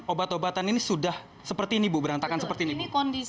obat obatan ini sudah seperti ini bu berantakan seperti ini bu